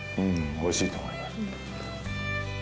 おいしいと思います。